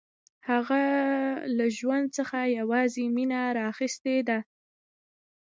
هغه له ژوند څخه یوازې مینه راخیستې ده